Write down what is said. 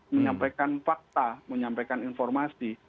menyampaikan fakta menyampaikan informasi